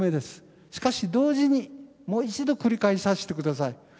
しかし同時にもう一度繰り返させて下さい。